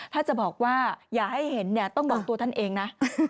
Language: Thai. ถ้าจะบอกว่าอย่าให้เห็นเนี่ยต้องบอกตัวท่านเองนะ